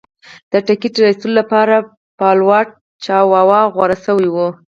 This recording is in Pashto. د ټکټ را ایستلو لپاره فالوټ چاواوا غوره شوی و.